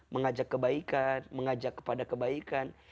mengajak kebaikan mengajak kepada kebaikan